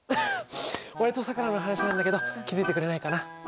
俺とさくらの話なんだけど気付いてくれないかな？